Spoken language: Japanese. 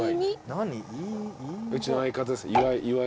うちの相方ですね岩井。